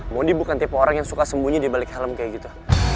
mondi bukan tipe orang yang suka sembunyi di balik helm kayak gitu